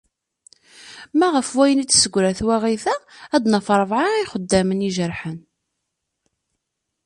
Ma ɣef wayen i d-tessegra twaɣit-a, ad naf rebεa n yixeddamen i ijerḥen.